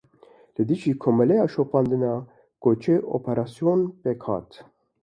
Li dijî Komeleya Şopandina Koçê operasyon pêk hat.